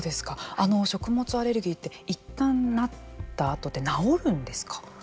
食物アレルギーっていったんなったあとって治るんですか。